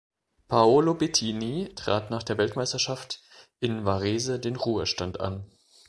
Paolo Bettini trat nach der Weltmeisterschaft in Varese den Ruhestand an.